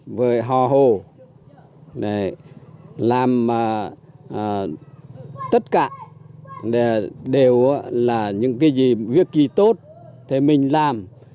người họ hồ làm tất cả đều là những việc gì tốt thì mình làm